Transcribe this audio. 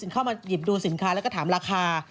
เข้ามาหยิบดูสินค้าแล้วก็ถามราคา